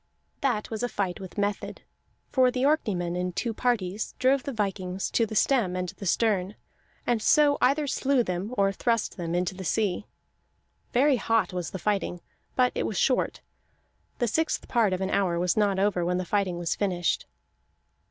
That was a fight with method, for the Orkneymen in two parties drove the vikings to the stem and the stern, and so either slew them or thrust them into the sea. Very hot was the fighting, but it was short; the sixth part of an hour was not over when the fighting was finished.